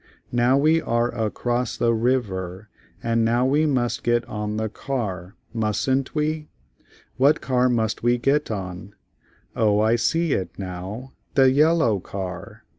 Now we are a cross the riv er, and now we must get on the car, musn't we? What car must we get on? O I see it now, the yellow car.